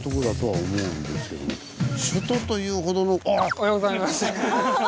おはようございます。